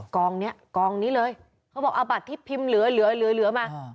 กองนี้กองนี้เลยเขาบอกเอาบัตรที่พิมพ์เหลือมา